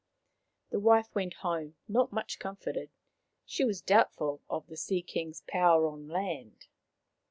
The wife went home, not much comforted. She was doubtful of the Sea king's power on land.